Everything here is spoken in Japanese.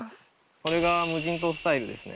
これが無人島スタイルですね。